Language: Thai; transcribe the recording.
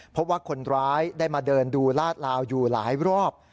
พบว่าคนร้ายได้มาเดินดูลาดลาวอยู่หลายรอบ